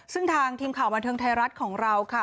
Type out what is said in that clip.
ซึ่งทางทีมข่าวบันเทิงไทยรัฐของเราค่ะ